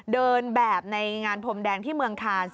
เดินแบบในงานพรมแดงที่เมืองคาน